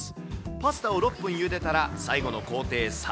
パスタを６分ゆでたら、最後の工程３。